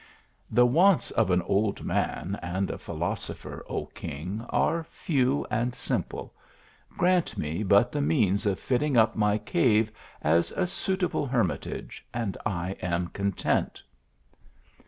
"" The wants of an old man and a philosopher, O king, are few and simple grant me but the means of fitting up my cave as a suitable hermitage, and I am content."